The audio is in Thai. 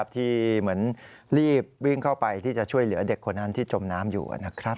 ที่เหมือนรีบวิ่งเข้าไปที่จะช่วยเหลือเด็กคนนั้นที่จมน้ำอยู่นะครับ